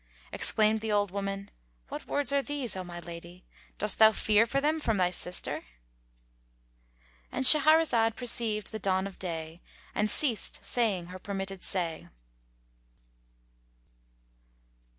Exclaimed the old woman, "What words are these, O my lady? Dost thou fear for them from thy sister?"—And Shahrazad perceived the dawn of day and ceased saying her permitted say.